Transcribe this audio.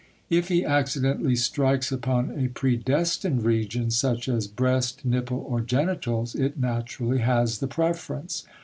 If he accidentally strikes upon a predestined region, such as breast, nipple or genitals, it naturally has the preference.